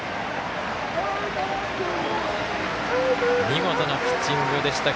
見事なピッチングでした。